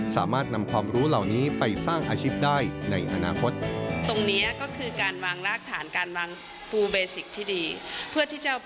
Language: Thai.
สามารถนำความรู้เหล่านี้ไปสร้างอาชีพได้ในอนาคต